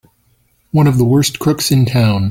One of the worst crooks in town!